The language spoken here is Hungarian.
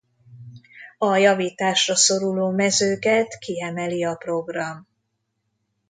A javításra szoruló mezőket kiemeli a program.